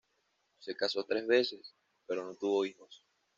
Se casó tres veces, pero no tuvo hijos.